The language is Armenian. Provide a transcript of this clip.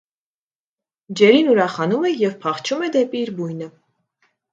Ջերին ուրախանում է և փախչում է դեպի իր բույնը։